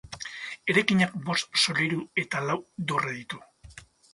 Eraikinak bost solairu eta lau dorre ditu.